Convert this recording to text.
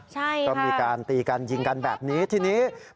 ใช่ค่ะก็มีการตีกันยิงกันแบบนี้ทีนี้